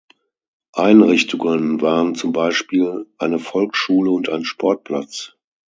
Einrichtungen waren zum Beispiel eine Volksschule und ein Sportplatz.